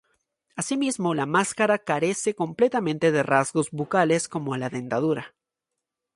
Así mismo la máscara carece completamente de rasgos bucales como la dentadura.